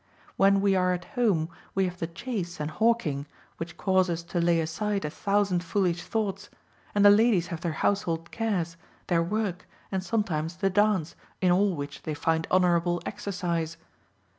When we are at home we have the chase and hawking, which cause us to lay aside a thousand foolish thoughts, and the ladies have their household cares, their work, and sometimes the dance, in all which they find honourable exercise.